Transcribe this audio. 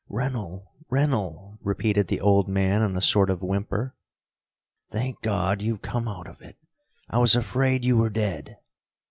"Rennell! Rennell!" repeated the old man in a sort of whimper. "Thank God you've come out of it! I was afraid you were dead."